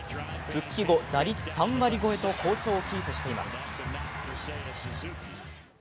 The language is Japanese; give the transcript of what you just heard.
復帰後、打率３割超えと好調をキープしています。